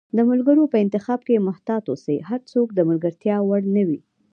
د ملګرو په انتخاب کښي محتاط اوسی، هرڅوک د ملګرتیا وړ نه وي